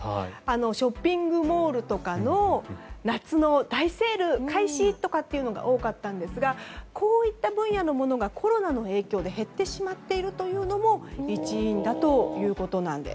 ショッピングモールとかの夏の大セール開始とかが多かったんですがこういった分野のものがコロナの影響で減ってしまっているというのも一因だということなんです。